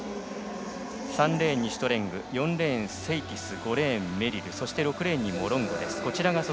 ３レーン、シュトレングと４レーン、セイティス５レーン、メリル６レーンにモロンゴ。